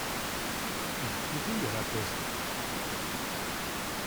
Il courut à la poste.